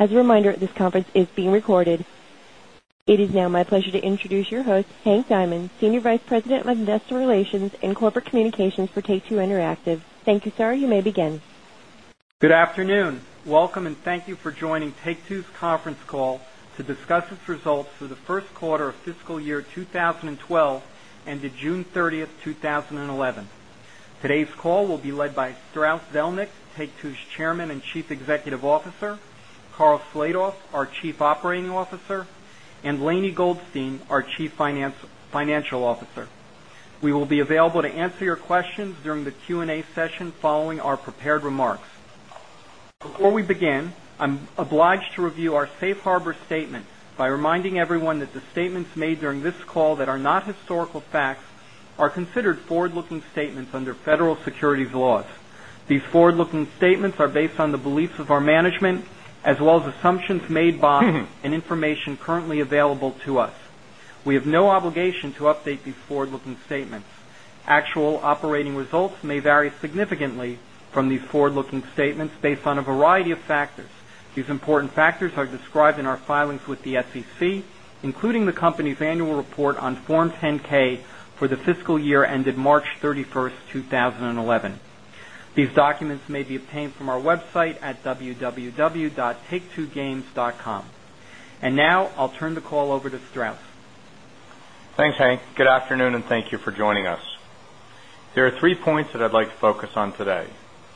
As a reminder, this conference is being recorded. It is now my pleasure to introduce your host, Henry Diamond, Senior Vice President of Investor Relations and Corporate Communications for Take-Two Interactive Software. Thank you, sir. You may begin. Good afternoon. Welcome, and thank you for joining Take-Two's conference call to discuss its results for the first quarter of fiscal year 2012 and June 30, 2011. Today's call will be led by Strauss Zelnick, Take-Two's Chairman and Chief Executive Officer, Karl Slatoff, our Chief Operating Officer, and Lainie Goldstein, our Chief Financial Officer. We will be available to answer your questions during the Q&A session following our prepared remarks. Before we begin, I'm obliged to review our Safe Harbor Statement by reminding everyone that the statements made during this call that are not historical facts are considered forward-looking statements under federal securities laws. These forward-looking statements are based on the beliefs of our management, as well as assumptions made by and information currently available to us. We have no obligation to update these forward-looking statements. Actual operating results may vary significantly from these forward-looking statements based on a variety of factors. These important factors are described in our filings with the SEC, including the company's annual report on Form 10-K for the fiscal year ended March 31, 2011. These documents may be obtained from our website at www.taketwogames.com. Now, I'll turn the call over to Strauss. Thanks, Hank. Good afternoon, and thank you for joining us. There are three points that I'd like to focus on today.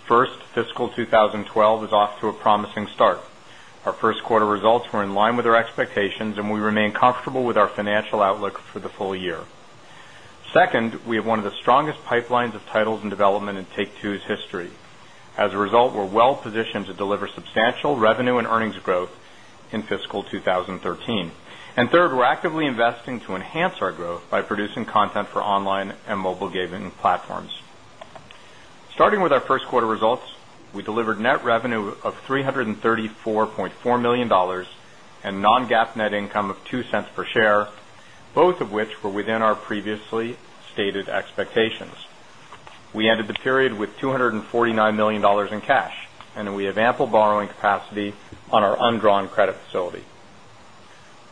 First, fiscal 2012 is off to a promising start. Our first quarter results were in line with our expectations, and we remain comfortable with our financial outlook for the full year. Second, we have one of the strongest pipelines of titles in development in Take-Two's history. As a result, we're well positioned to deliver substantial revenue and earnings growth in fiscal 2013. Third, we're actively investing to enhance our growth by producing content for online and mobile gaming platforms. Starting with our first quarter results, we delivered net revenue of $334.4 million and non-GAAP net income of $0.02 per share, both of which were within our previously stated expectations. We ended the period with $249 million in cash, and we have ample borrowing capacity on our undrawn credit facility.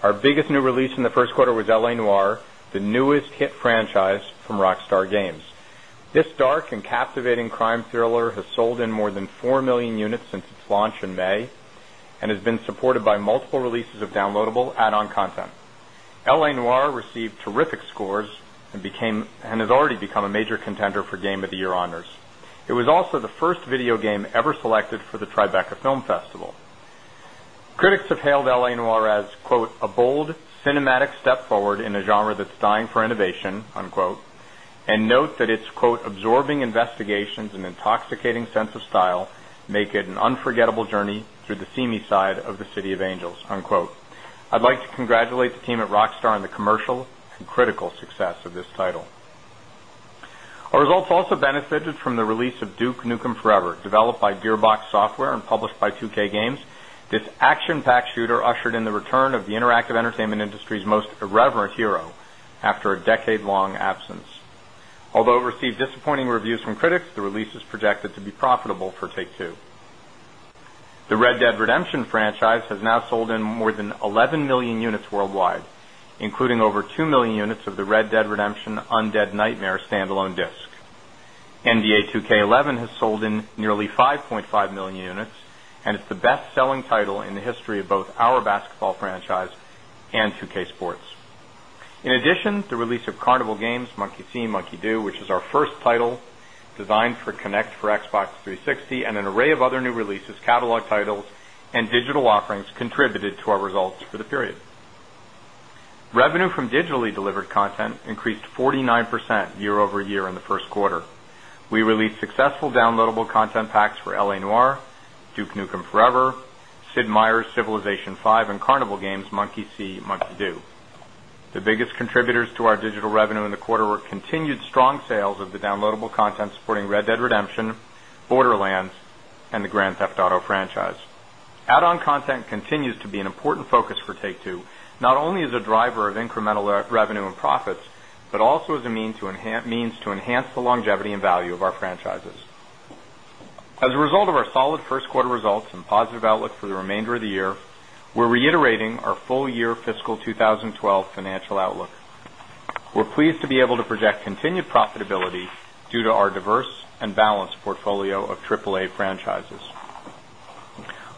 Our biggest new release in the first quarter was L.A. Noire, the newest hit franchise from Rockstar Games. This dark and captivating crime thriller has sold in more than 4 million units since its launch in May and has been supported by multiple releases of downloadable add-on content. L.A. Noire received terrific scores and has already become a major contender for Game of the Year honors. It was also the first video game ever selected for the Tribeca Film Festival. Critics have hailed L.A. Noire as, quote, "a bold, cinematic step forward in a genre that's dying for innovation," unquote, and note that it's, quote, "absorbing investigations and an intoxicating sense of style make it an unforgettable journey through the seamy side of the City of Angels," unquote. I'd like to congratulate the team at Rockstar on the commercial and critical success of this title. Our results also benefited from the release of Duke Nukem Forever, developed by Gearbox Software and published by 2K Games. This action-packed shooter ushered in the return of the interactive entertainment industry's most irreverent hero after a decade-long absence. Although it received disappointing reviews from critics, the release is projected to be profitable for Take-Two. The Red Dead Redemption franchise has now sold in more than 11 million units worldwide, including over 2 million units of the Red Dead Redemption: Undead Nightmare standalone disc. NBA 2K11 has sold in nearly 5.5 million units, and it's the best-selling title in the history of both our basketball franchise and 2K Sports. In addition, the release of Carnival Games: Monkey See, Monkey Do, which is our first title designed for Kinect for Xbox 360, and an array of other new releases, catalog titles, and digital offerings contributed to our results for the period. Revenue from digitally delivered content increased 49% year-over-year in the first quarter. We released successful downloadable content packs for L.A. Noire, Duke Nukem Forever, Sid Meier's Civilization V, and Carnival Games: Monkey See, Monkey Do. The biggest contributors to our digital revenue in the quarter were continued strong sales of the downloadable content supporting Red Dead Redemption, Borderlands, and the Grand Theft Auto franchise. Add-on content continues to be an important focus for Take-Two, not only as a driver of incremental revenue and profits, but also as a means to enhance the longevity and value of our franchises. As a result of our solid first quarter results and positive outlook for the remainder of the year, we're reiterating our full-year fiscal 2012 financial outlook. We're pleased to be able to project continued profitability due to our diverse and balanced portfolio of AAA franchises.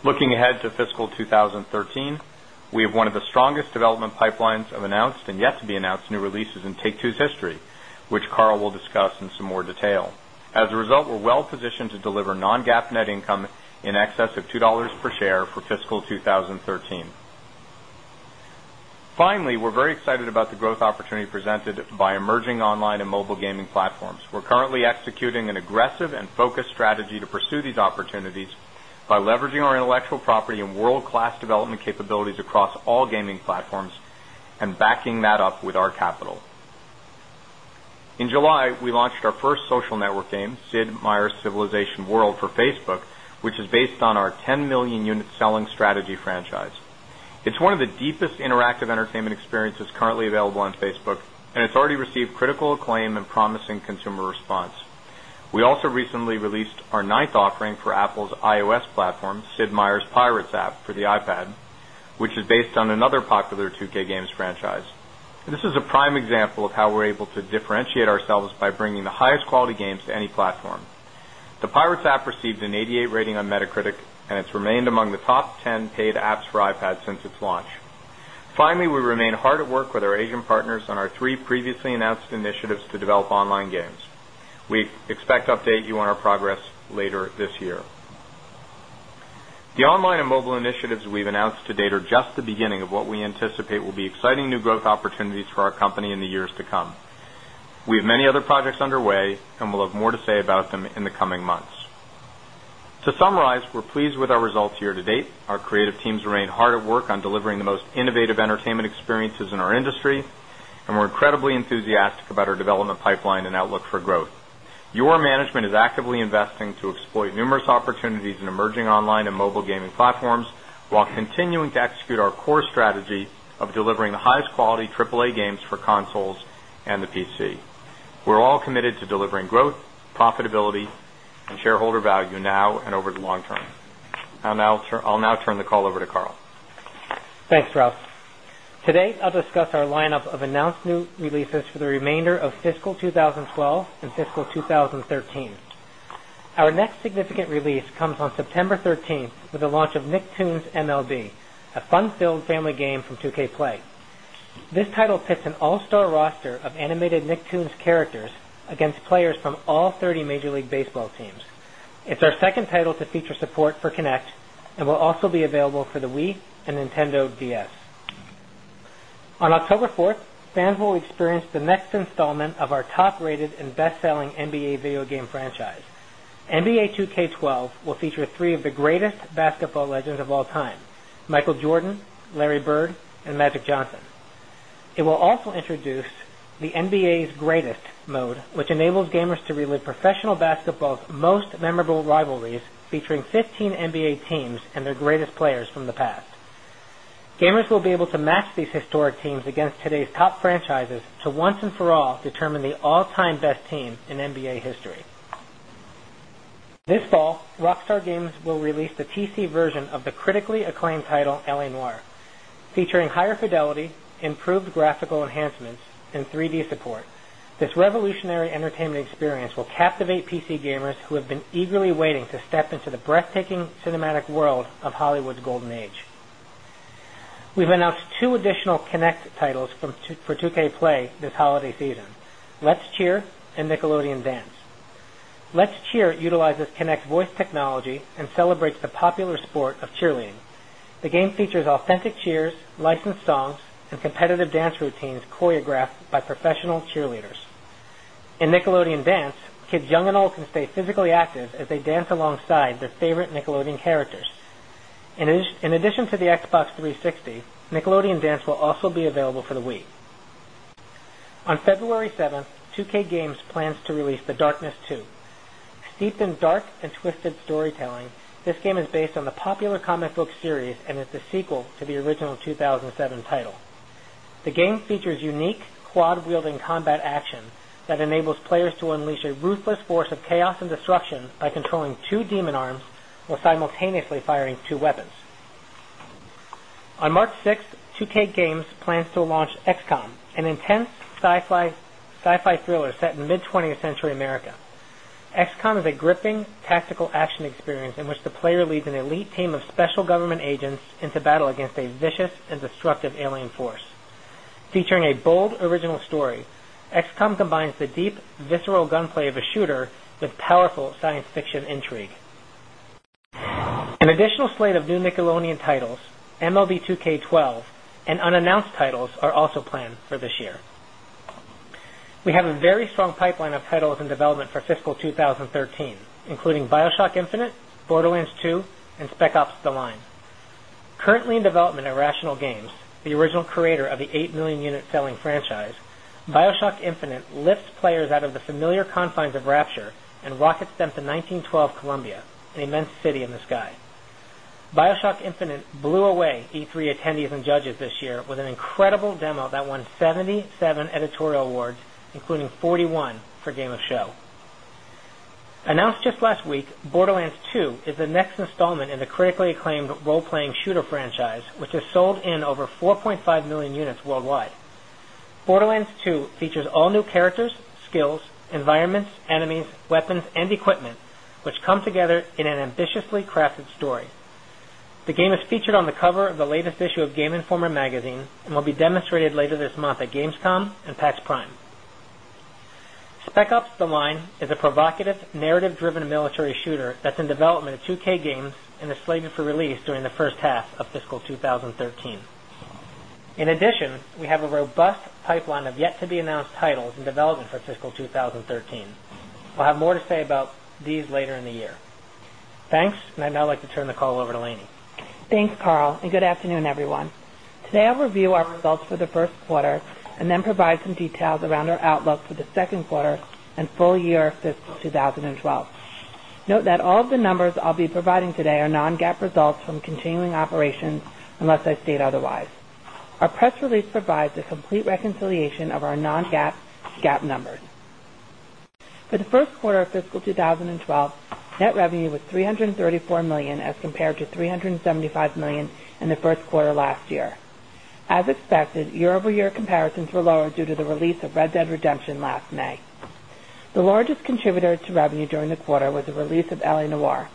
Looking ahead to fiscal 2013, we have one of the strongest development pipelines of announced and yet to be announced new releases in Take-Two's history, which Karl will discuss in some more detail. As a result, we're well positioned to deliver non-GAAP net income in excess of $2 per share for fiscal 2013. Finally, we're very excited about the growth opportunity presented by emerging online and mobile gaming platforms. We're currently executing an aggressive and focused strategy to pursue these opportunities by leveraging our intellectual property and world-class development capabilities across all gaming platforms and backing that up with our capital. In July, we launched our first social network game, Sid Meier's Civilization World, for Facebook, which is based on our 10 million unit selling strategy franchise. It's one of the deepest interactive entertainment experiences currently available on Facebook, and it's already received critical acclaim and promising consumer response. We also recently released our ninth offering for Apple's iOS platform, Sid Meier's Pirates app for the iPad, which is based on another popular 2K franchise. This is a prime example of how we're able to differentiate ourselves by bringing the highest quality games to any platform. The Pirates App received an 88 rating on Metacritic, and it's remained among the top 10 paid apps for iPad since its launch. Finally, we remain hard at work with our Asian partners on our three previously announced initiatives to develop online games. We expect to update you on our progress later this year. The online and mobile initiatives we've announced to date are just the beginning of what we anticipate will be exciting new growth opportunities for our company in the years to come. We have many other projects underway, and we'll have more to say about them in the coming months. To summarize, we're pleased with our results year to date. Our creative teams remain hard at work on delivering the most innovative entertainment experiences in our industry, and we're incredibly enthusiastic about our development pipeline and outlook for growth. Your management is actively investing to exploit numerous opportunities in emerging online and mobile gaming platforms while continuing to execute our core strategy of delivering the highest quality AAA games for consoles and the PC. We're all committed to delivering growth, profitability, and shareholder value now and over the long term. I'll now turn the call over to Karl. Thanks, Strauss. Today, I'll discuss our lineup of announced new releases for the remainder of fiscal 2012 and fiscal 2013. Our next significant release comes on September 13 with the launch of Nicktoons MLB, a fun-filled family game from 2K Play. This title tips an all-star roster of animated Nicktoons characters against players from all 30 Major League Baseball teams. It's our second title to feature support for Kinect and will also be available for the Wii and Nintendo DS. On October 4, fans will experience the next installment of our top-rated and best-selling NBA video game franchise. NBA 2K12 will feature three of the greatest basketball legends of all time: Michael Jordan, Larry Bird, and Magic Johnson. It will also introduce the NBA's Greatest mode, which enables gamers to relive professional basketball's most memorable rivalries, featuring 15 NBA teams and their greatest players from the past. Gamers will be able to match these historic teams against today's top franchises to once and for all determine the all-time best team in NBA history. This fall, Rockstar Games will release the PC version of the critically acclaimed title L.A. Noire, featuring higher fidelity, improved graphical enhancements, and 3D support. This revolutionary entertainment experience will captivate PC gamers who have been eagerly waiting to step into the breathtaking cinematic world of Hollywood's golden age. We've announced two additional Kinect titles for 2K Play this holiday season: Let's Cheer and Nickelodeon Dance. Let's Cheer utilizes Kinect's voice technology and celebrates the popular sport of cheerleading. The game features authentic cheers, licensed songs, and competitive dance routines choreographed by professional cheerleaders. In Nickelodeon Dance, kids young and old can stay physically active as they dance alongside their favorite Nickelodeon characters. In addition to the Xbox 360, Nickelodeon Dance will also be available for the Wii. On February 7, 2K Games plans to release The Darkness II. Steeped in dark and twisted storytelling, this game is based on the popular comic book series and is the sequel to the original 2007 title. The game features unique quad-wielding combat action that enables players to unleash a ruthless force of chaos and destruction by controlling two demon arms while simultaneously firing two weapons. On March 6, 2K Games plans to launch XCOM, an intense sci-fi thriller set in mid-20th century America. XCOM is a gripping, tactical action experience in which the player leads an elite team of special government agents into battle against a vicious and destructive alien force. Featuring a bold original story, XCOM combines the deep, visceral gunplay of a shooter with powerful science fiction intrigue. An additional slate of new Nickelodeon titles, MLB 2K12, and unannounced titles are also planned for this year. We have a very strong pipeline of titles in development for fiscal 2013, including Bioshock Infinite, Borderlands 2, and Spec Ops: The Line. Currently in development at Irrational Games, the original creator of the 8 million unit selling franchise, Bioshock Infinite lifts players out of the familiar confines of Rapture and rockets them to 1912 Columbia, an immense city in the sky. Bioshock Infinite blew away E3 attendees and judges this year with an incredible demo that won 77 editorial awards, including 41 for Game of Show. Announced just last week, Borderlands 2 is the next installment in the critically acclaimed role-playing shooter franchise, which has sold in over 4.5 million units worldwide. Borderlands 2 features all new characters, skills, environments, enemies, weapons, and equipment, which come together in an ambitiously crafted story. The game is featured on the cover of the latest issue of Game Informer magazine and will be demonstrated later this month at Gamescom and PAX Prime. Spec Ops: The Line is a provocative, narrative-driven military shooter that's in development at 2K Games and is slated for release during the first half of fiscal 2013. In addition, we have a robust pipeline of yet-to-be-announced titles in development for fiscal 2013. We'll have more to say about these later in the year. Thanks, and I'd now like to turn the call over to Lainie. Thanks, Karl, and good afternoon, everyone. Today, I'll review our results for the first quarter and then provide some details around our outlook for the second quarter and full year of fiscal 2012. Note that all of the numbers I'll be providing today are non-GAAP results from continuing operations unless I state otherwise. Our press release provides a complete reconciliation of our non-GAAP/GAAP numbers. For the first quarter of fiscal 2012, net revenue was $334 million as compared to $375 million in the first quarter last year. As expected, year-over-year comparisons were lower due to the release of Red Dead Redemption last May. The largest contributor to revenue during the quarter was the release of L.A. Noire.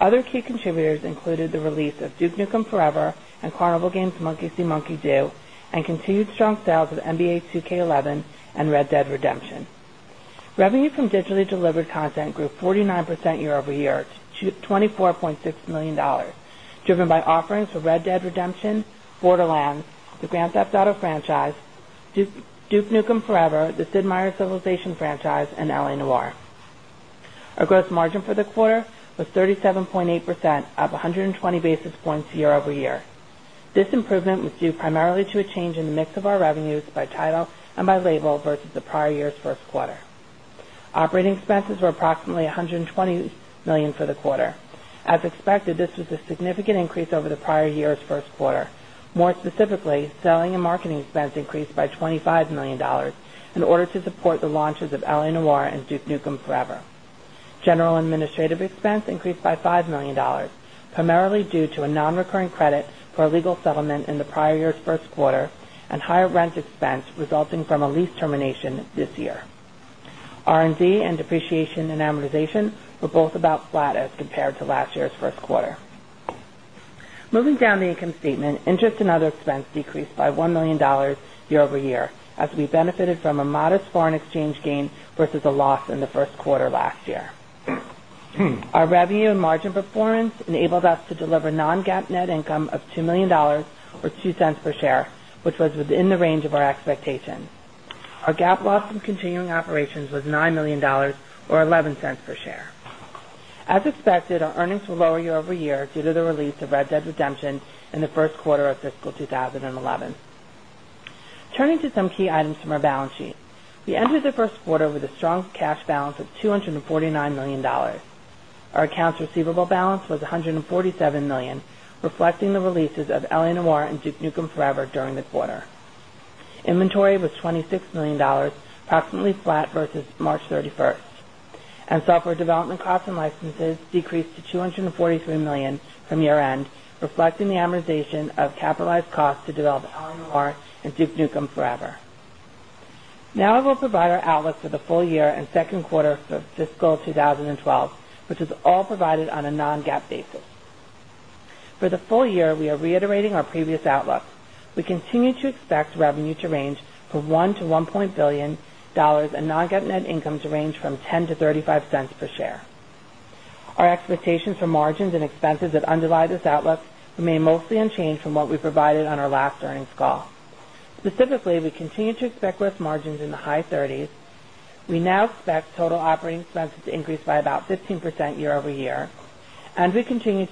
Other key contributors included the release of Duke Nukem Forever and Carnival Games: Monkey See, Monkey Do, and continued strong sales of NBA 2K11 and Red Dead Redemption. Revenue from digitally delivered content grew 49% year-over-year to $24.6 million, driven by offerings for Red Dead Redemption, Borderlands, the Grand Theft Auto franchise, Duke Nukem Forever, the Sid Meier's Civilization franchise, and L.A. Noire. Our gross margin for the quarter was 37.8%, up 120 basis points year-over-year. This improvement was due primarily to a change in the mix of our revenues by title and by label versus the prior year's first quarter. Operating expenses were approximately $120 million for the quarter. As expected, this was a significant increase over the prior year's first quarter. More specifically, selling and marketing expense increased by $25 million in order to support the launches of L.A. Noire and Duke Nukem Forever. General administrative expense increased by $5 million, primarily due to a non-recurring credit for a legal settlement in the prior year's first quarter and higher rent expense resulting from a lease termination this year. R&D and depreciation and amortization were both about flat as compared to last year's first quarter. Moving down the income statement, interest and other expense decreased by $1 million year-over-year, as we benefited from a modest foreign exchange gain versus a loss in the first quarter last year. Our revenue and margin performance enabled us to deliver non-GAAP net income of $2 million, or $0.02 per share, which was within the range of our expectations. Our GAAP loss from continuing operations was $9 million, or $0.11 per share. As expected, our earnings were lower year-over-year due to the release of Red Dead Redemption in the first quarter of fiscal 2011. Turning to some key items from our balance sheet, we ended the first quarter with a strong cash balance of $249 million. Our accounts receivable balance was $147 million, reflecting the releases of L.A. Noire and Duke Nukem Forever during the quarter. Inventory was $26 million, approximately flat versus March 31. Software development costs and licenses decreased to $243 million from year-end, reflecting the amortization of capitalized costs to develop L.A. Noire and Duke Nukem Forever. Now, I will provide our outlook for the full year and second quarter for fiscal 2012, which is all provided on a non-GAAP basis. For the full year, we are reiterating our previous outlook. We continue to expect revenue to range from $1.0 billion-$1.1 billion and non-GAAP net income to range from $0.10-$0.35 per share. Our expectations for margins and expenses that underlie this outlook remain mostly unchanged from what we provided on our last earnings call. Specifically, we continue to expect gross margins in the high 30%. We now expect total operating expenses to increase by about 15% year-over-year, and we continue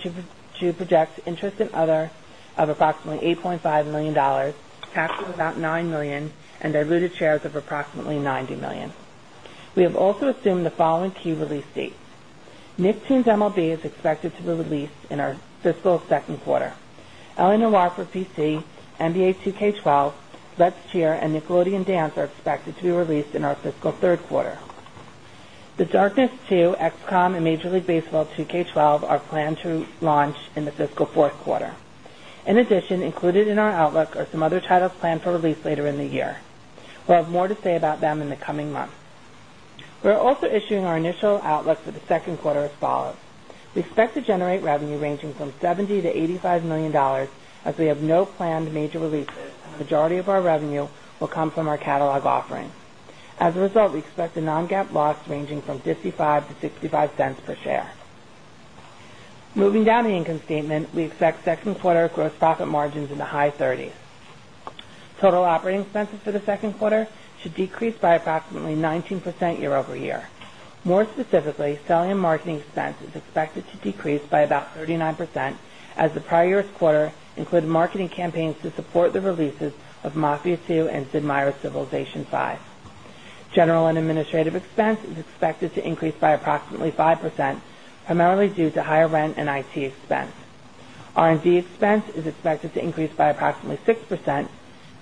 to project interest and other of approximately $8.5 million, taxes about $9 million, and diluted shares of approximately 90 million. We have also assumed the following key release dates. Nicktoons MLB is expected to be released in our fiscal second quarter. L.A. Noire for PC, NBA 2K12, Let's Cheer, and Nickelodeon Dance are expected to be released in our fiscal third quarter. The Darkness II, XCOM, and Major League Baseball 2K12 are planned to launch in the fiscal fourth quarter. In addition, included in our outlook are some other titles planned for release later in the year. We'll have more to say about them in the coming months. We're also issuing our initial outlook for the second quarter as follows. We expect to generate revenue ranging from $70 million-$85 million, as we have no planned major releases. The majority of our revenue will come from our catalog offering. As a result, we expect a non-GAAP loss ranging from $0.55-$0.65 per share. Moving down the income statement, we expect second quarter gross profit margins in the high 30%. Total operating expenses for the second quarter should decrease by approximately 19% year-over-year. More specifically, selling and marketing expense is expected to decrease by about 39%, as the prior year's quarter included marketing campaigns to support the releases of Mafia II and Sid Meier's Civilization V. General and administrative expense is expected to increase by approximately 5%, primarily due to higher rent and IT expense. R&D expense is expected to increase by approximately 6%,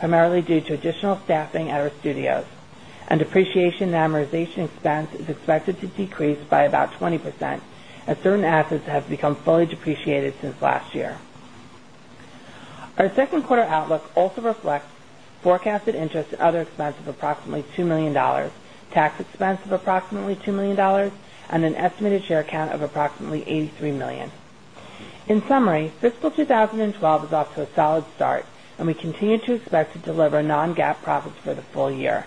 primarily due to additional staffing at our studios. Depreciation and amortization expense is expected to decrease by about 20%, as certain assets have become fully depreciated since last year. Our second quarter outlook also reflects forecasted interest and other expense of approximately $2 million, tax expense of approximately $2 million, and an estimated share count of approximately 83 million. In summary, fiscal 2012 is off to a solid start, and we continue to expect to deliver non-GAAP profits for the full year.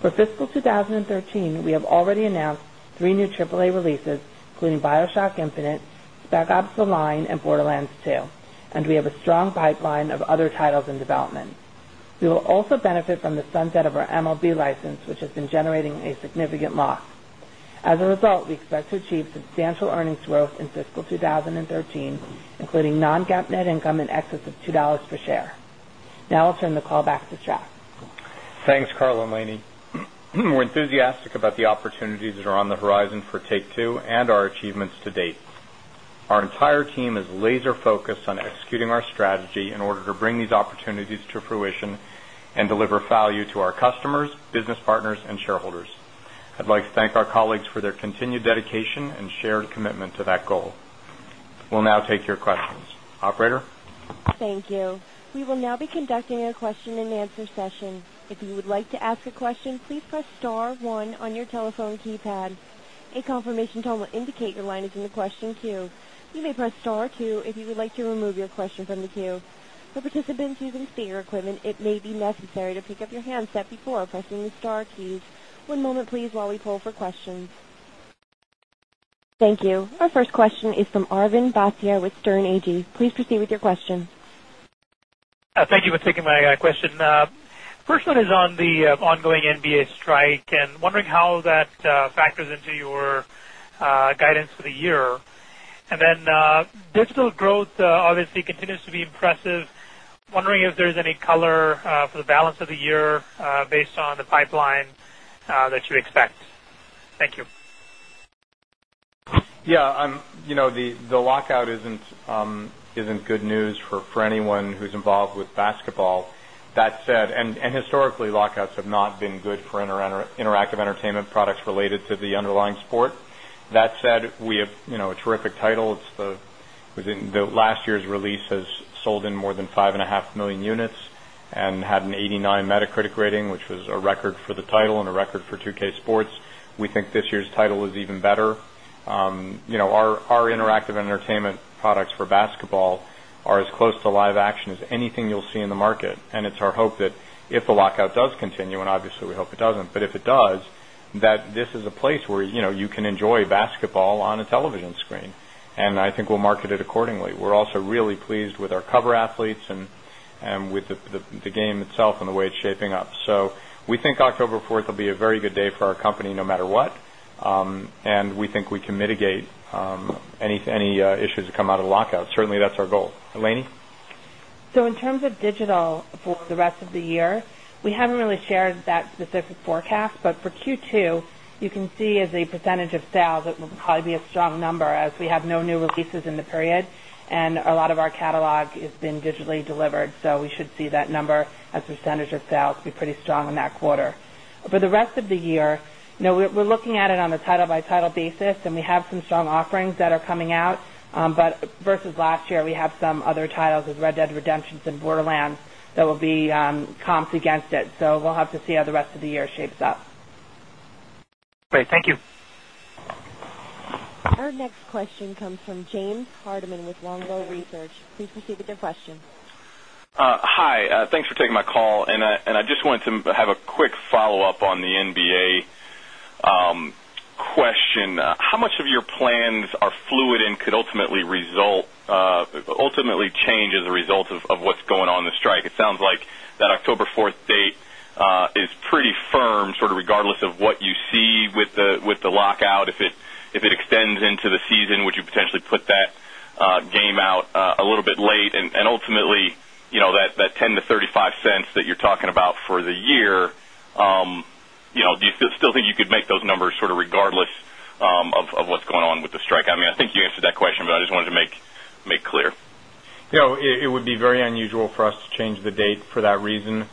For fiscal 2013, we have already announced three new AAA releases, including Bioshock Infinite, Spec Ops: The Line, and Borderlands 2. We have a strong pipeline of other titles in development. We will also benefit from the sunset of our MLB license, which has been generating a significant loss. As a result, we expect to achieve substantial earnings growth in fiscal 2013, including non-GAAP net income in excess of $2 per share. Now, I'll turn the call back to Strauss. Thanks, Karl and Lainie. We're enthusiastic about the opportunities that are on the horizon for Take-Two and our achievements to date. Our entire team is laser-focused on executing our strategy in order to bring these opportunities to fruition and deliver value to our customers, business partners, and shareholders. I'd like to thank our colleagues for their continued dedication and shared commitment to that goal. We'll now take your questions. Operator. Thank you. We will now be conducting a question and answer session. If you would like to ask a question, please press star one on your telephone keypad. A confirmation tone will indicate your line is in the question queue. You may press star two if you would like to remove your question from the queue. For participants using speaker equipment, it may be necessary to pick up your handset before pressing the star keys. One moment, please, while we pull for questions. Thank you. Our first question is from Arvindd Bhatia with Sterne Agee. Please proceed with your question. Thank you for taking my question. First one is on the ongoing NBA lockout and wondering how that factors into your guidance for the year. Digital growth obviously continues to be impressive. Wondering if there's any color for the balance of the year based on the pipeline that you expect. Thank you. The lockout isn't good news for anyone who's involved with basketball. That said, historically, lockouts have not been good for interactive entertainment products related to the underlying sport. That said, we have a terrific title. It was in last year's release, has sold more than 5.5 million units, and had an 89 Metacritic rating, which was a record for the title and a record for 2K Sports. We think this year's title is even better. Our interactive entertainment products for basketball are as close to live action as anything you'll see in the market. It's our hope that if the lockout does continue, and obviously we hope it doesn't, but if it does, this is a place where you can enjoy basketball on a television screen. I think we'll market it accordingly. We're also really pleased with our cover athletes and with the game itself and the way it's shaping up. We think October 4th will be a very good day for our company no matter what. We think we can mitigate any issues that come out of the lockout. Certainly, that's our goal. Lainie? In terms of digital for the rest of the year, we haven't really shared that specific forecast. For Q2, you can see as a % of sales, it will probably be a strong number as we have no new releases in the period, and a lot of our catalog has been digitally delivered. We should see that number as a % of sales be pretty strong in that quarter. For the rest of the year, we're looking at it on a title-by-title basis. We have some strong offerings that are coming out. Versus last year, we have some other titles with Red Dead Redemption and Borderlands that will be comped against it. We'll have to see how the rest of the year shapes up. Great, thank you. Our next question comes from James Hardiman with Longbow Research. Please proceed with your question. Hi, thanks for taking my call. I just wanted to have a quick follow-up on the NBA question. How much of your plans are fluid and could ultimately change as a result of what's going on in the strike? It sounds like that October 4 date is pretty firm, sort of regardless of what you see with the lockout. If it extends into the season, would you potentially put that game out a little bit late? Ultimately, that $0.10-$0.35 that you're talking about for the year, do you still think you could make those numbers sort of regardless of what's going on with the strike? I think you answered that question, but I just wanted to make clear. It would be very unusual for us to change the date for that reason.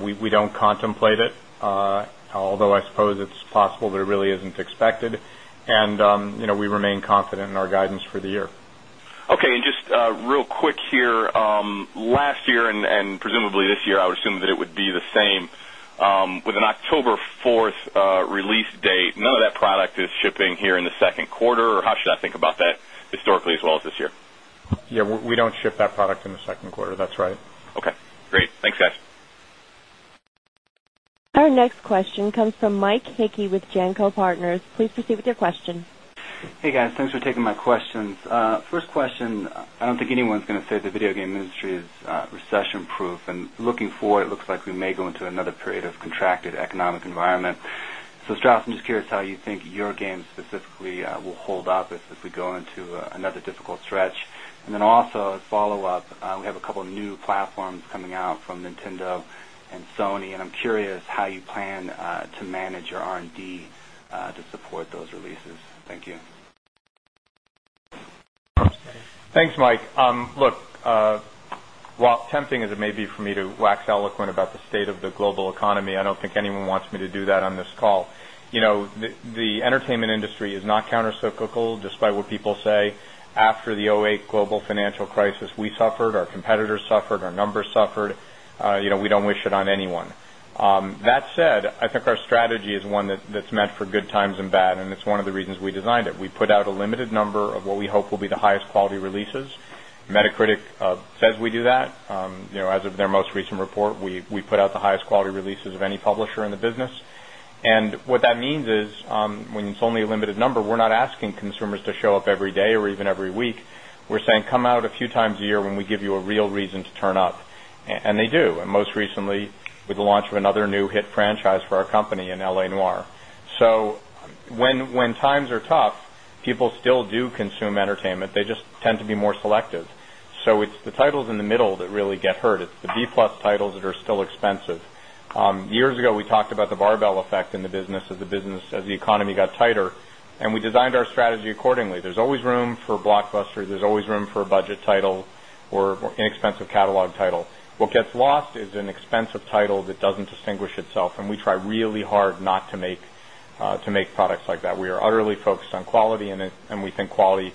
We don't contemplate it, although I suppose it's possible. It really isn't expected. We remain confident in our guidance for the year. OK, and just real quick here, last year and presumably this year, I would assume that it would be the same. With an October 4 release date, none of that product is shipping here in the second quarter. How should I think about that historically as well as this year? Yeah, we don't ship that product in the second quarter. That's right. OK, great. Thanks, guys. Our next question comes from Mike Hickey with Janco Partners. Please proceed with your question. Hey, guys, thanks for taking my questions. First question, I don't think anyone's going to say the video game industry is recession-proof. Looking forward, it looks like we may go into another period of contracted economic environment. Strauss, I'm just curious how you think your game specifically will hold up if we go into another difficult stretch. Also, as a follow-up, we have a couple of new platforms coming out from Nintendo and Sony. I'm curious how you plan to manage your R&D to support those releases. Thank you. Thanks, Mike. Look, while tempting as it may be for me to wax eloquent about the state of the global economy, I don't think anyone wants me to do that on this call. The entertainment industry is not countercyclical, despite what people say. After the 2008 global financial crisis, we suffered. Our competitors suffered. Our numbers suffered. We don't wish it on anyone. That said, I think our strategy is one that's meant for good times and bad. It's one of the reasons we designed it. We put out a limited number of what we hope will be the highest quality releases. Metacritic says we do that. As of their most recent report, we put out the highest quality releases of any publisher in the business. What that means is when it's only a limited number, we're not asking consumers to show up every day or even every week. We're saying, come out a few times a year when we give you a real reason to turn up. They do. Most recently, with the launch of another new hit franchise for our company in L.A. Noire. When times are tough, people still do consume entertainment. They just tend to be more selective. It's the titles in the middle that really get hurt. It's the B-plus titles that are still expensive. Years ago, we talked about the barbell effect in the business as the economy got tighter. We designed our strategy accordingly. There's always room for a blockbuster. There's always room for a budget title or inexpensive catalog title. What gets lost is an expensive title that doesn't distinguish itself. We try really hard not to make products like that. We are utterly focused on quality. We think quality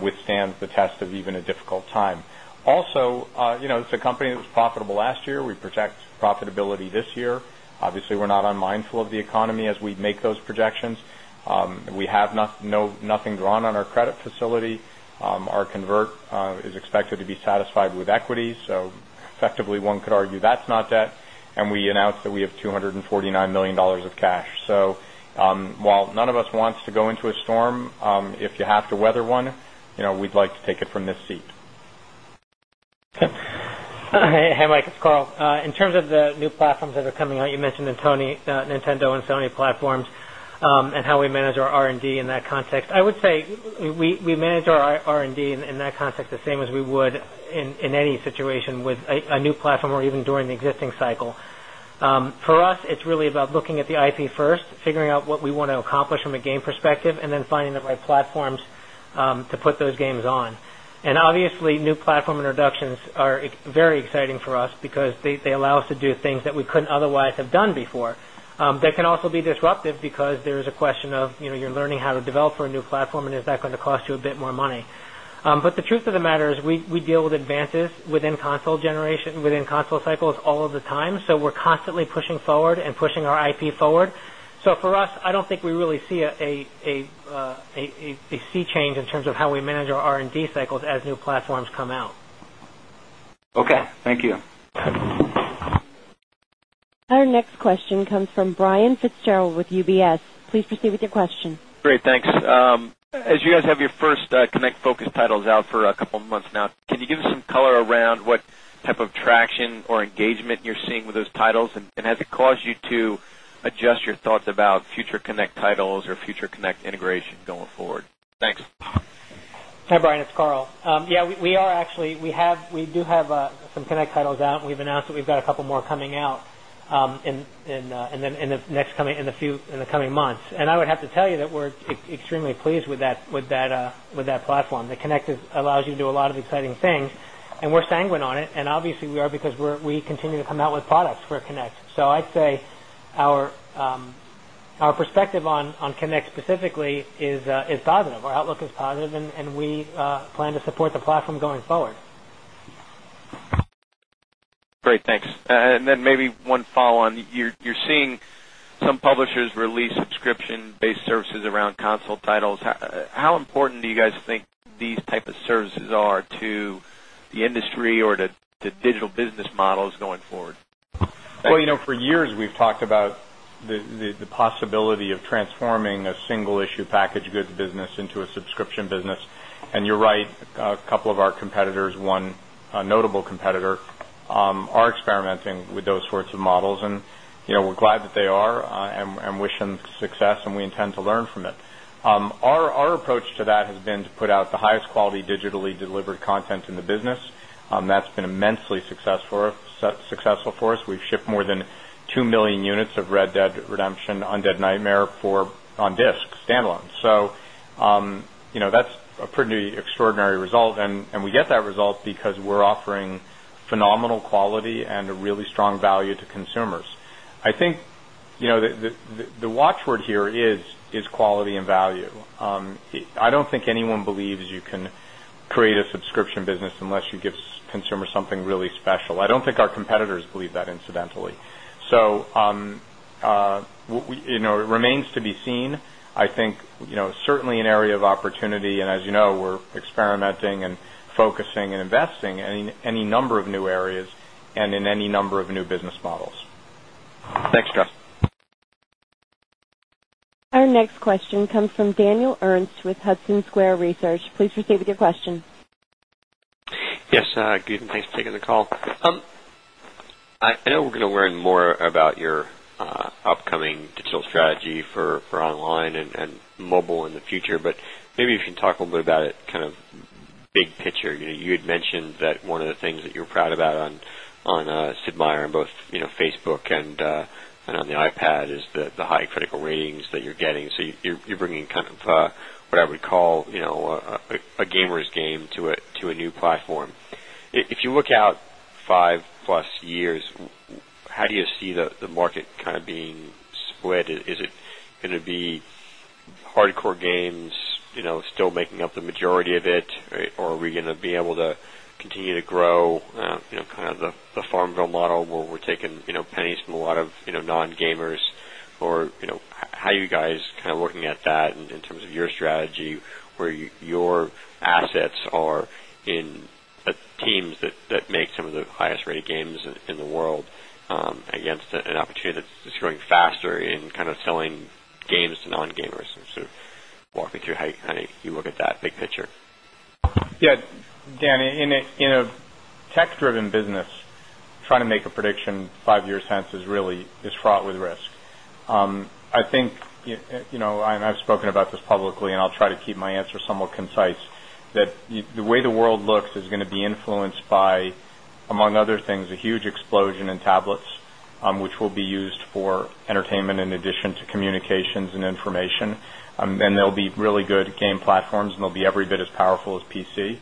withstands the test of even a difficult time. Also, it's a company that was profitable last year. We project profitability this year. Obviously, we're not unmindful of the economy as we make those projections. We have nothing drawn on our credit facility. Our convert is expected to be satisfied with equity. Effectively, one could argue that's not debt. We announced that we have $249 million of cash. While none of us wants to go into a storm, if you have to weather one, we'd like to take it from this seat. Hey, Mike. It's Karl. In terms of the new platforms that are coming out, you mentioned Nintendo and Sony platforms and how we manage our R&D in that context. I would say we manage our R&D in that context the same as we would in any situation with a new platform or even during the existing cycle. For us, it's really about looking at the IP first, figuring out what we want to accomplish from a game perspective, and then finding the right platforms to put those games on. Obviously, new platform introductions are very exciting for us because they allow us to do things that we couldn't otherwise have done before. That can also be disruptive because there is a question of, you know, you're learning how to develop for a new platform. Is that going to cost you a bit more money? The truth of the matter is we deal with advances within console generation, within console cycles all of the time. We're constantly pushing forward and pushing our IP forward. For us, I don't think we really see a sea change in terms of how we manage our R&D cycles as new platforms come out. OK, thank you. Our next question comes from Brian Fitzgerald with UBS. Please proceed with your question. Great, thanks. As you guys have your first Connect focus titles out for a couple of months now, can you give us some color around what type of traction or engagement you're seeing with those titles? Has it caused you to adjust your thoughts about future Connect titles or future Connect integration going forward? Thanks. Hi, Brian. It's Karl. We do have some Kinect titles out, and we've announced that we've got a couple more coming out in the next coming months. I would have to tell you that we're extremely pleased with that platform. The Kinect allows you to do a lot of exciting things. We're sanguine on it. Obviously, we are because we continue to come out with products for Kinect. I'd say our perspective on Kinect specifically is positive. Our outlook is positive, and we plan to support the platform going forward. Great, thanks. Maybe one follow-on. You're seeing some publishers release subscription-based services around console titles. How important do you guys think these types of services are to the industry or to digital business models going forward? For years, we've talked about the possibility of transforming a single-issue package goods business into a subscription business. You're right, a couple of our competitors, one notable competitor, are experimenting with those sorts of models. We're glad that they are. We wish them success. We intend to learn from it. Our approach to that has been to put out the highest quality digitally delivered content in the business. That's been immensely successful for us. We've shipped more than 2 million units of Red Dead Redemption: Undead Nightmare on disk, standalone. That's a pretty extraordinary result. We get that result because we're offering phenomenal quality and a really strong value to consumers. I think the watchword here is quality and value. I don't think anyone believes you can create a subscription business unless you give consumers something really special. I don't think our competitors believe that incidentally. It remains to be seen. I think certainly an area of opportunity. As you know, we're experimenting and focusing and investing in any number of new areas and in any number of new business models. Thanks, Strauss. Our next question comes from Daniel Ernst with Hudson Square Research. Please proceed with your question. Yes, good. Thanks for taking the call. I know we're going to learn more about your upcoming digital strategy for online and mobile in the future. Maybe you can talk a little bit about it, kind of big picture. You had mentioned that one of the things that you're proud about on Sid Meier’s Civilization World and both Facebook and on the iPad is the high critical ratings that you're getting. You're bringing kind of what I would call, you know, a gamer's game to a new platform. If you look out five plus years, how do you see the market kind of being split? Is it going to be hardcore games, you know, still making up the majority of it? Are we going to be able to continue to grow, you know, kind of the FarmVille model where we're taking, you know, pennies from a lot of, you know, non-gamers? How are you guys kind of looking at that in terms of your strategy, where your assets are in teams that make some of the highest rated games in the world against an opportunity that's growing faster in kind of selling games to non-gamers? Walk me through how you look at that big picture. Yeah, Dan, in a tech-driven business, trying to make a prediction five years' hence is really fraught with risk. I think, you know, and I've spoken about this publicly. I'll try to keep my answer somewhat concise, that the way the world looks is going to be influenced by, among other things, a huge explosion in tablets, which will be used for entertainment in addition to communications and information. There'll be really good game platforms, and they'll be every bit as powerful as PC.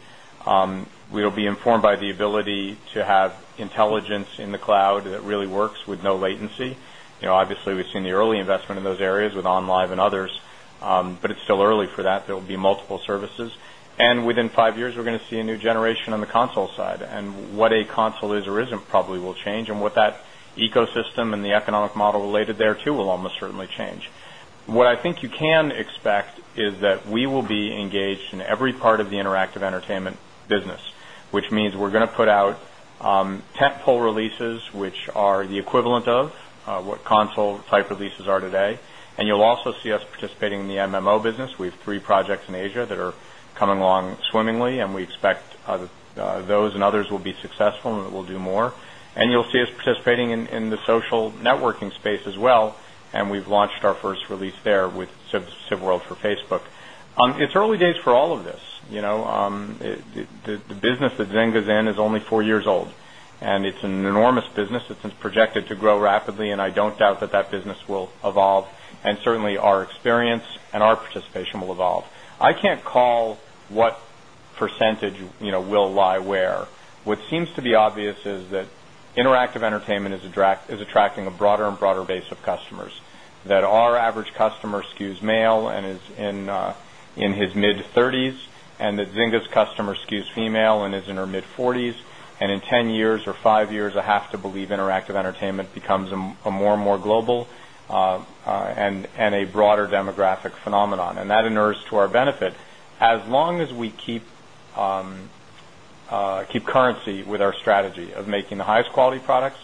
We'll be informed by the ability to have intelligence in the cloud that really works with no latency. Obviously, we've seen the early investment in those areas with Onlive and others. It's still early for that. There will be multiple services. Within five years, we're going to see a new generation on the console side. What a console is or isn't probably will change. What that ecosystem and the economic model related thereto will almost certainly change. What I think you can expect is that we will be engaged in every part of the interactive entertainment business, which means we're going to put out tentpole releases, which are the equivalent of what console-type releases are today. You'll also see us participating in the MMO business. We have three projects in Asia that are coming along swimmingly. We expect those and others will be successful and will do more. You'll see us participating in the social networking space as well. We've launched our first release there with Civ World for Facebook. It's early days for all of this. The business that Zynga's in is only four years old, and it's an enormous business. It's projected to grow rapidly. I don't doubt that that business will evolve. Certainly, our experience and our participation will evolve. I can't call what % will lie where. What seems to be obvious is that interactive entertainment is attracting a broader and broader base of customers, that our average customer skews male and is in his mid-30s, and that Zynga's customer skews female and is in her mid-40s. In 10 years or five years, I have to believe interactive entertainment becomes more and more global and a broader demographic phenomenon. That inertia is to our benefit as long as we keep currency with our strategy of making the highest quality products,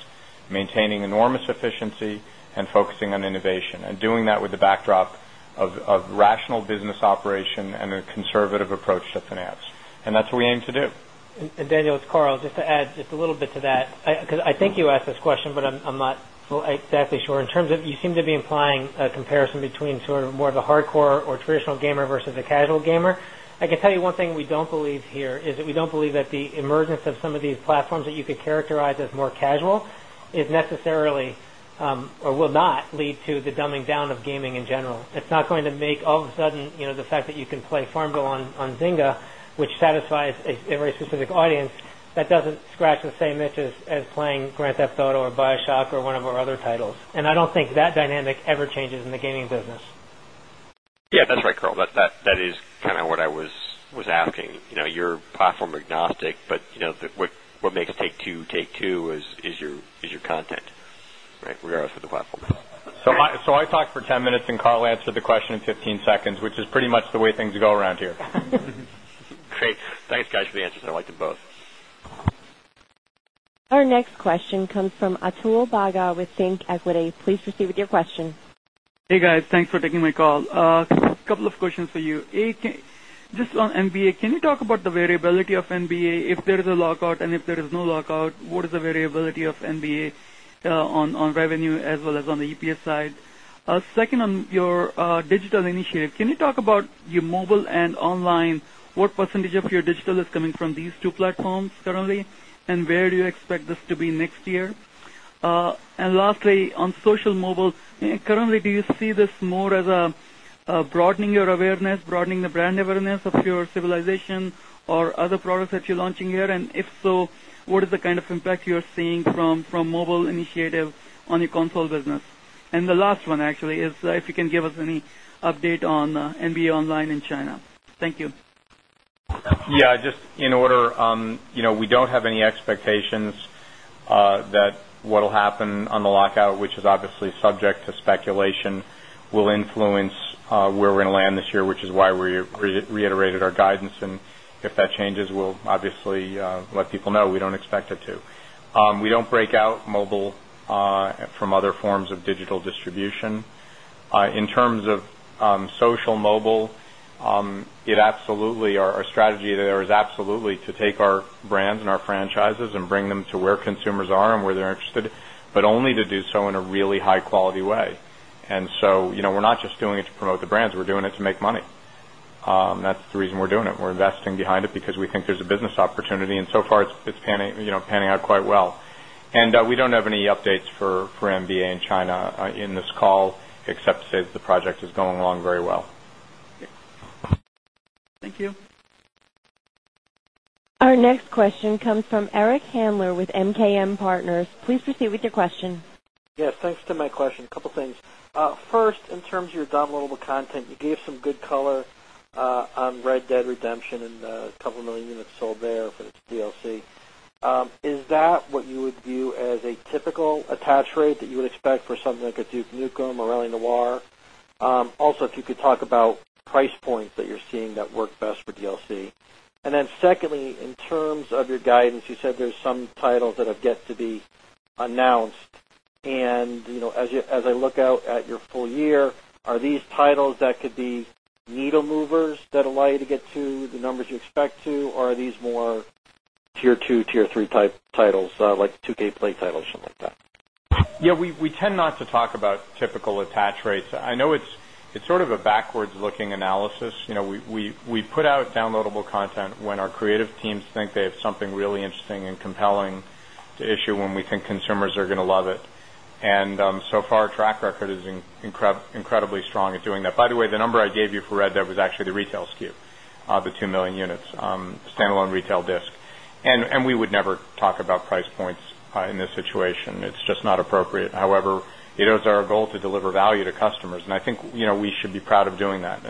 maintaining enormous efficiency, and focusing on innovation, and doing that with the backdrop of rational business operation and a conservative approach to finance. That's what we aim to do. Daniel, it's Karl, just to add a little bit to that, because I think you asked this question, but I'm not exactly sure. In terms of, you seem to be implying a comparison between more of the hardcore or traditional gamer versus the casual gamer. I can tell you one thing we don't believe here is that we don't believe that the emergence of some of these platforms that you could characterize as more casual is necessarily or will not lead to the dumbing down of gaming in general. It's not going to make, all of a sudden, the fact that you can play FarmVille on Zynga, which satisfies a very specific audience, that doesn't scratch the same itch as playing Grand Theft Auto or Bioshock or one of our other titles. I don't think that dynamic ever changes in the gaming business. Yeah, that's right, Karl. That is kind of what I was asking. You know, you're platform agnostic. You know what makes Take-Two Take-Two is your content, right, regardless of the platform. I talked for 10 minutes and Karl answered the question in 15 seconds, which is pretty much the way things go around here. Great. Thanks, guys, for the answers. I liked it both. Our next question comes from Atul Bagga with ThinkEquity. Please proceed with your question. Hey, guys, thanks for taking my call. A couple of questions for you. Just on NBA, can you talk about the variability of NBA? If there is a lockout and if there is no lockout, what is the variability of NBA on revenue as well as on the EPS side? On your digital initiative, can you talk about your mobile and online? What % of your digital is coming from these two platforms currently? Where do you expect this to be next year? On social mobile, currently, do you see this more as broadening your awareness, broadening the brand awareness of your Civilization or other products that you're launching here? If so, what is the kind of impact you are seeing from mobile initiative on your console business? The last one, actually, is if you can give us any update on NBA Online in China. Thank you. Just in order, you know, we don't have any expectations that what will happen on the lockout, which is obviously subject to speculation, will influence where we're going to land this year, which is why we reiterated our guidance. If that changes, we'll obviously let people know. We don't expect it to. We don't break out mobile from other forms of digital distribution. In terms of social mobile, our strategy there is absolutely to take our brands and our franchises and bring them to where consumers are and where they're interested, but only to do so in a really high-quality way. We're not just doing it to promote the brands. We're doing it to make money. That's the reason we're doing it. We're investing behind it because we think there's a business opportunity. So far, it's panning out quite well. We don't have any updates for NBA in China in this call, except to say that the project is going along very well. Thank you. Our next question comes from Eric Handler with MKM Partners. Please proceed with your question. Yes, thanks for my question. A couple of things. First, in terms of your downloadable content, you gave some good color on Red Dead Redemption and a couple million units sold there for its DLC. Is that what you would view as a typical attach rate that you would expect for something like a Duke Nukem Forever or L.A. Noire? Also, if you could talk about price points that you're seeing that work best for DLC. Secondly, in terms of your guidance, you said there's some titles that have yet to be announced. As I look out at your full year, are these titles that could be needle movers that allow you to get to the numbers you expect to? Or are these more tier two, tier three type titles, like 2K Play titles, or something like that? Yeah, we tend not to talk about typical attach rates. I know it's sort of a backwards-looking analysis. We put out downloadable content when our creative teams think they have something really interesting and compelling to issue, when we think consumers are going to love it. So far, our track record is incredibly strong at doing that. By the way, the number I gave you for Red Dead was actually the retail SKU of the 2 million units standalone retail disk. We would never talk about price points in this situation. It's just not appropriate. However, it is our goal to deliver value to customers. I think we should be proud of doing that.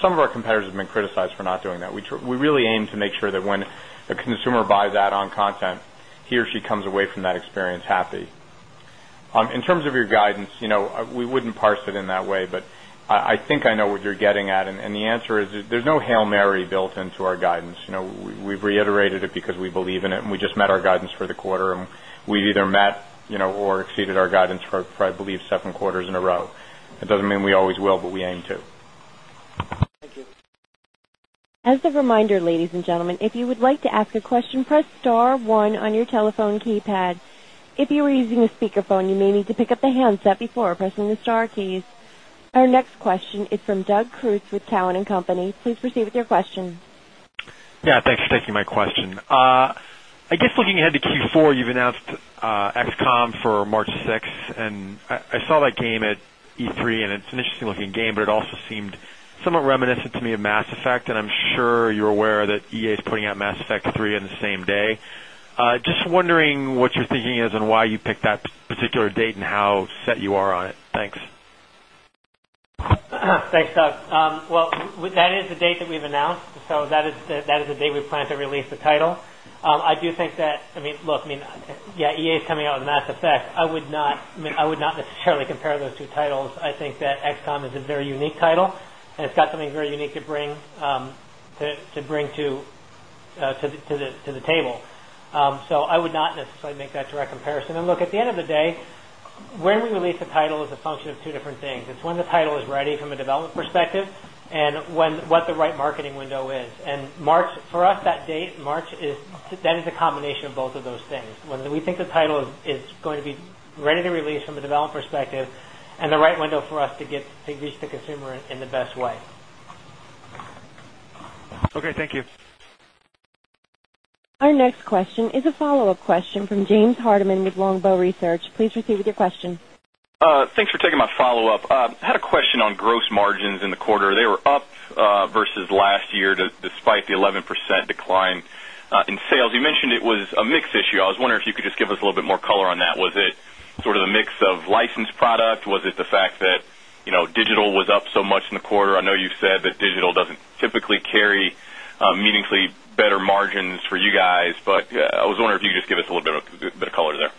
Some of our competitors have been criticized for not doing that. We really aim to make sure that when a consumer buys that content, he or she comes away from that experience happy. In terms of your guidance, we wouldn't parse it in that way. I think I know what you're getting at, and the answer is there's no Hail Mary built into our guidance. We've reiterated it because we believe in it. We just met our guidance for the quarter, and we've either met or exceeded our guidance for, I believe, seven quarters in a row. That doesn't mean we always will, but we aim to. Thank you. As a reminder, ladies and gentlemen, if you would like to ask a question, press star one on your telephone keypad. If you are using a speakerphone, you may need to pick up the handset before pressing the star keys. Our next question is from Doug Creutz with Cowen and Company. Please proceed with your question. Yeah, thanks for taking my question. I guess looking ahead to Q4, you've announced XCOM for March 6. I saw that game at E3, and it's an interesting-looking game. It also seemed somewhat reminiscent to me of Mass Effect. I'm sure you're aware that EA is putting out Mass Effect 3 on the same day. Just wondering what your thinking is and why you picked that particular date and how set you are on it. Thanks. Thanks, Doug. That is the date that we've announced. That is the day we plan to release the title. I do think that, I mean, look, yeah, EA is coming out with Mass Effect. I would not necessarily compare those two titles. I think that XCOM is a very unique title, and it's got something very unique to bring to the table. I would not necessarily make that direct comparison. At the end of the day, when we release a title is a function of two different things. It's when the title is ready from a development perspective and what the right marketing window is. For us, that date, March, is a combination of both of those things, when we think the title is going to be ready to release from a development perspective and the right window for us to reach the consumer in the best way. OK, thank you. Our next question is a follow-up question from James Heaney with Longbow Research. Please proceed with your question. Thanks for taking my follow-up. I had a question on gross margins in the quarter. They were up versus last year, despite the 11% decline in sales. You mentioned it was a mix issue. I was wondering if you could just give us a little bit more color on that. Was it sort of a mix of licensed product? Was it the fact that digital was up so much in the quarter? I know you've said that digital doesn't typically carry meaningfully better margins for you guys. I was wondering if you could just give us a little bit of color there.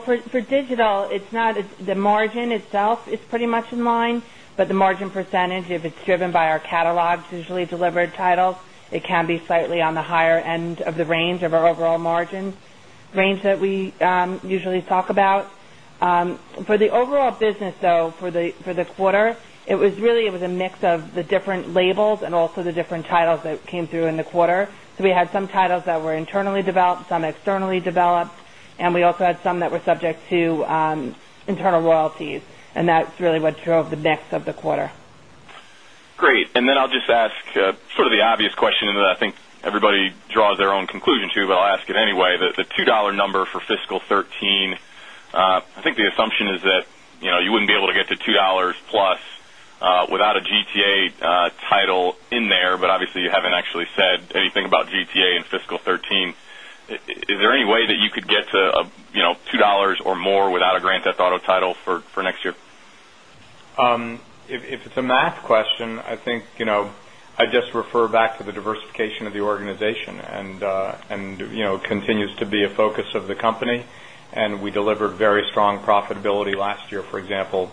For digital, the margin itself is pretty much in line. The margin percentage, if it's driven by our catalog, digitally delivered titles, can be slightly on the higher end of the range of our overall margin range that we usually talk about. For the overall business, for the quarter, it was really a mix of the different labels and also the different titles that came through in the quarter. We had some titles that were internally developed, some externally developed. We also had some that were subject to internal royalties. That's really what drove the mix of the quarter. Great. I'll just ask sort of the obvious question that I think everybody draws their own conclusion to. I'll ask it anyway. The $2 number for fiscal 2013, I think the assumption is that you wouldn't be able to get to $2 plus without a Grand Theft Auto title in there. Obviously, you haven't actually said anything about Grand Theft Auto in fiscal 2013. Is there any way that you could get to $2 or more without a Grand Theft Auto title for next year? If it's a math question, I think I just refer back to the diversification of the organization. It continues to be a focus of the company, and we delivered very strong profitability last year, for example,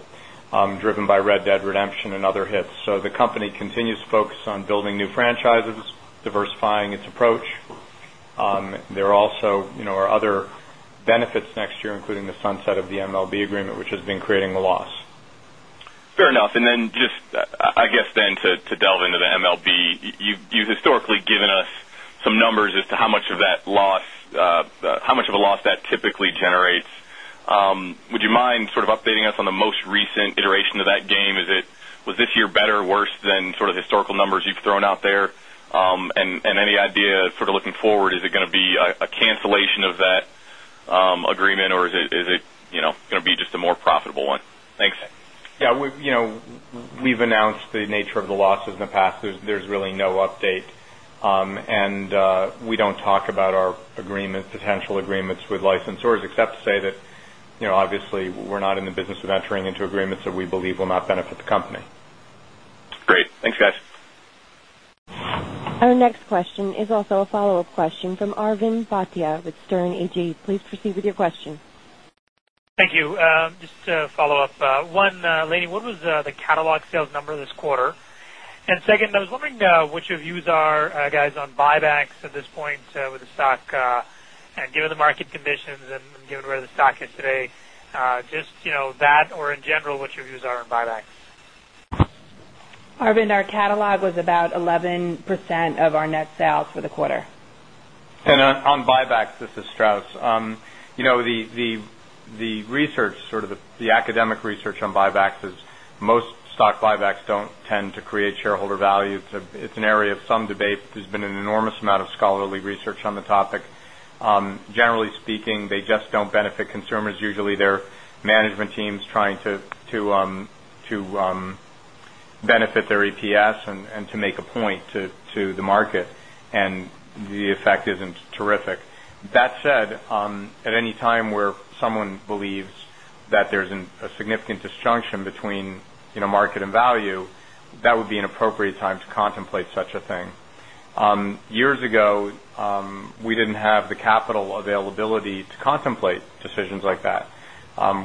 driven by Red Dead Redemption and other hits. The company continues to focus on building new franchises, diversifying its approach. There also are other benefits next year, including the sunset of the MLB agreement, which has been creating a loss. Fair enough. Just to delve into the MLB, you've historically given us some numbers as to how much of that loss, how much of a loss that typically generates. Would you mind updating us on the most recent iteration of that game? Was this year better or worse than the historical numbers you've thrown out there? Any idea looking forward, is it going to be a cancellation of that agreement or is it going to be just a more profitable one? Thanks. Yeah, we've announced the nature of the losses in the past. There's really no update. We don't talk about our agreements, potential agreements with licensors except to say that, you know, obviously, we're not in the business of entering into agreements that we believe will not benefit the company. Great. Thanks, guys. Our next question is also a follow-up question from Arvind Bhatia with Sterne Agee. Please proceed with your question. Thank you. Just to follow up, one, Lainie, what was the catalog sales number this quarter? Second, I was wondering what your views are, guys, on buybacks at this point with the stock and given the market conditions and given where the stock is today. Just, you know, that or in general, what your views are on buybacks. Arvind, our catalog was about 11% of our net sales for the quarter. On buybacks, this is Strauss. The research, sort of the academic research on buybacks, is most stock buybacks don't tend to create shareholder value. It's an area of some debate. There's been an enormous amount of scholarly research on the topic. Generally speaking, they just don't benefit consumers. Usually, they're management teams trying to benefit their EPS and to make a point to the market. The effect isn't terrific. That said, at any time where someone believes that there's a significant disjunction between market and value, that would be an appropriate time to contemplate such a thing. Years ago, we didn't have the capital availability to contemplate decisions like that.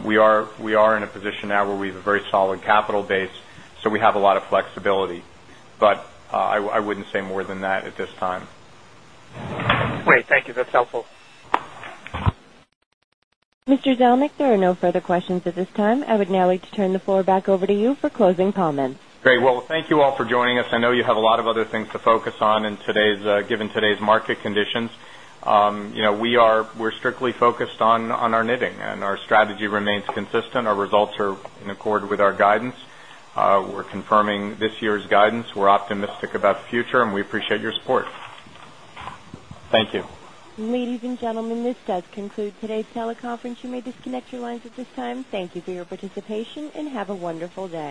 We are in a position now where we have a very solid capital base. We have a lot of flexibility. I wouldn't say more than that at this time. Great, thank you. That's helpful. Mr. Zelnick, there are no further questions at this time. I would now like to turn the floor back over to you for closing comments. Great. Thank you all for joining us. I know you have a lot of other things to focus on given today's market conditions. We're strictly focused on our knitting, and our strategy remains consistent. Our results are in accord with our guidance. We're confirming this year's guidance. We're optimistic about the future, and we appreciate your support. Thank you. Ladies and gentlemen, this does conclude today's teleconference. You may disconnect your lines at this time. Thank you for your participation and have a wonderful day.